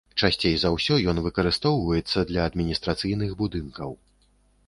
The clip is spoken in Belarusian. Часцей за ўсё ён выкарыстоўваецца для адміністрацыйных будынкаў.